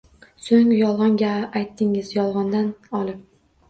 So‘ng yolg‘on aytdingiz, yolg‘ondan olib